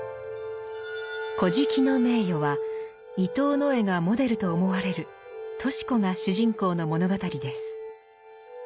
「乞食の名誉」は伊藤野枝がモデルと思われるとし子が主人公の物語です。